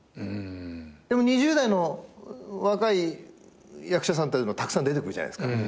でも２０代の若い役者さんたちたくさん出てくるじゃないですか。